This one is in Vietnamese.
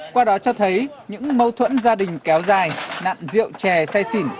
qua đó cho thấy những mâu thuẫn gia đình kéo dài nạn rượu chè say xỉn